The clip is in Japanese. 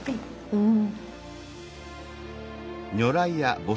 うん。